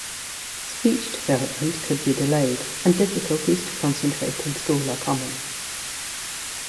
Speech development could be delayed and difficulties to concentrate in school are common.